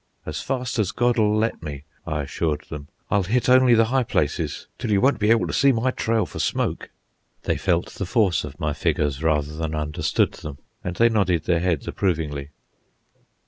"As fast as God'll let me," I assured them; "I'll hit only the high places, till you won't be able to see my trail for smoke." They felt the force of my figures, rather than understood them, and they nodded their heads approvingly.